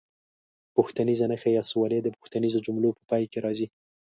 پوښتنیزه نښه یا سوالیه د پوښتنیزو جملو په پای کې راځي.